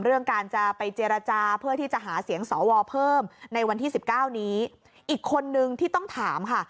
เรื่องการจะไปเจรจาเพื่อที่จะหาเสียงสวเพิ่มในวันที่สิบเก้านี้อีกคนนึงที่ต้องถามค่ะ